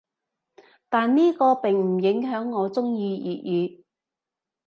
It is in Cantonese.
但呢個並唔影響我中意粵語‘